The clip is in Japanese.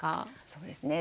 そうですね。